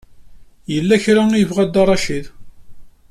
Yella kra ay yebɣa Dda Racid?